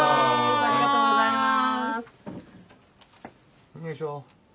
ありがとうございます。